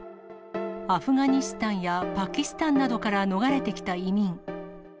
アフガニスタンやパキスタンなどから逃れてきた移民。